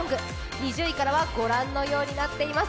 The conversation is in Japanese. ２０位からはご覧のようになっています。